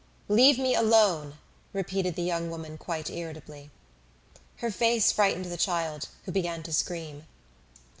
"Leave me alone," repeated the young woman quite irritably. Her face frightened the child, who began to scream.